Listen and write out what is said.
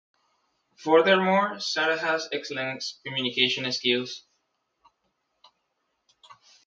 Furthermore, Sarah has excellent communication skills.